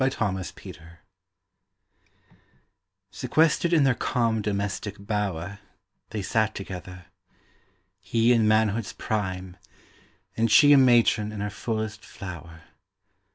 DOMESTIC BLISS IV Sequestered in their calm domestic bower, They sat together. He in manhood's prime And she a matron in her fullest flower.